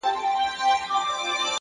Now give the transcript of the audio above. هره ستونزه د حل تخم لري،